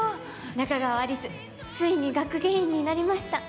仲川有栖、ついに学芸員になりました。